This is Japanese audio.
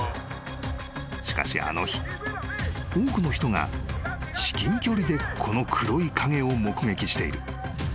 ［しかしあの日多くの人が至近距離でこの黒い影を目撃している］